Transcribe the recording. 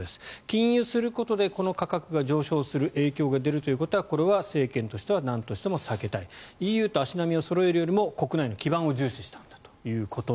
禁輸することでこの価格が上昇する影響が出るということはこれは政権としてはなんとしても避けたいＥＵと足並みをそろえるよりも国内の基盤を重視したんだと。